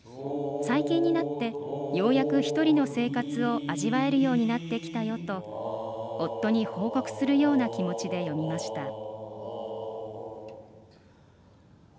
最近になってようやく、１人の生活を味わえるようになってきたよと夫に報告するような気持ちで詠みました。